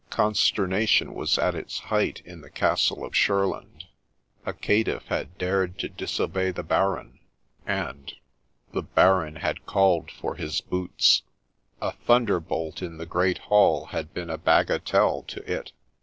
Consternation was at its height in the castle of Shurland — a caitiff had dared to disobey the Baron ! and — the Baron had called for his boots ! A thunderbolt in the great hall had been a bagatelle to it.